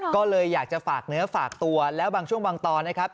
ก็เลยอยากจะฝากเนื้อฝากตัวแล้วบางช่วงบางตอนนะครับ